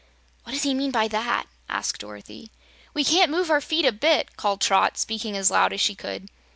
"What does he mean by that?" asked Dorothy. "We can't move our feet a bit!" called Trot, speaking as loud as she could.